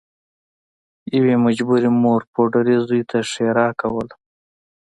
یوې مجبورې مور پوډري زوی ته ښیرا کوله